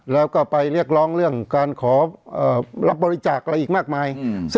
แล้วก็ไปเรียกร้องเรื่องการขอรับบริจาคอะไรอีกมากมาย